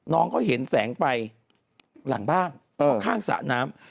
น้องเขาเห็นแสงไฟหลังบ้านข้างสระน้ำ